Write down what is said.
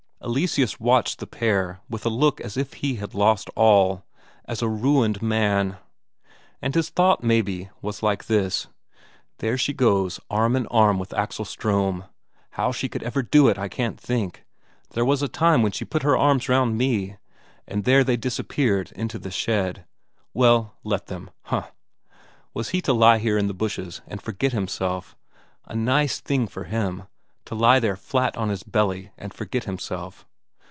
Eleseus watched the pair with a look as if he had lost all; as a ruined man. And his thought, maybe, was like this: There she goes arm in arm with Axel Ström. How she could ever do it I can't think; there was a time when she put her arms round me! And there they disappeared into the shed. Well, let them! Huh! Was he to lie here in the bushes and forget himself? A nice thing for him to lie there flat on his belly and forget himself.